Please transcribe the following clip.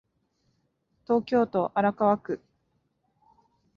東京都荒川区